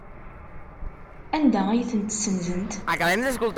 Anda ay tent-ssenzent?